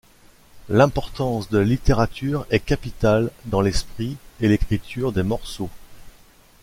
L'importance de la littérature est capitale dans l'esprit et l'écriture des morceaux.